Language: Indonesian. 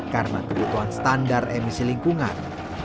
karena kebutuhan standar emisi lingkungan